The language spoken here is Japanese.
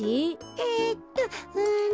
えっとうんと。